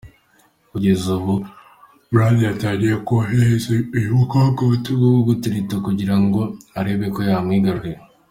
Kugeza ubu Brand yatangiye koherereza uyu mukobwa ubutumwa bwo gutereta kugirango arebe ko yamwigarurira.